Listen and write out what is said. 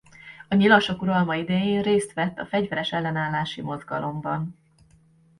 A nyilasok uralma idején részt vett a fegyveres ellenállási mozgalomban.